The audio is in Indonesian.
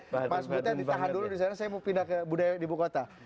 pak asbutnya ditahan dulu di sana saya mau pindah ke budaya ibukota